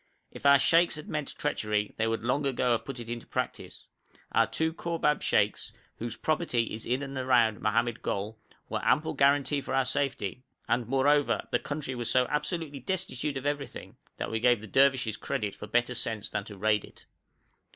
If our sheikhs had meant treachery they would long ago have put it into practice; our two Kourbab sheikhs, whose property is in and around Mohammed Gol, were ample guarantee for our safety; and, moreover, the country was so absolutely destitute of everything that we gave the Dervishes credit for better sense than to raid it.